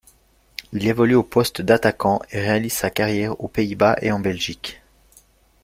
Il évolue au poste d'attaquant et réalise sa carrière aux Pays-Bas et en Belgique.